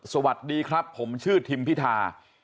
สวัสดีครับผมชื่อทิมพิธา